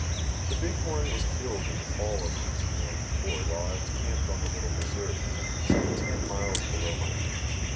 The bighorn was killed in the fall of 1894, while I was camped on the Little Missouri, some ten miles below my ranch.